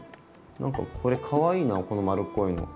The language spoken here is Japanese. なんかこれかわいいなこの丸っこいの。